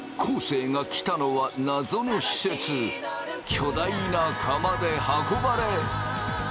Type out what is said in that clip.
巨大な釜で運ばれ。